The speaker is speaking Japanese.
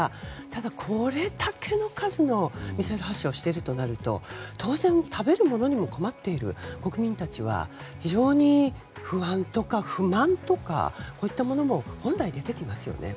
ただ、これだけの数のミサイル発射をしているとなると当然、食べるものにも困っている国民たちは非常に不安とか不満とかこういったものも本来出てきますよね。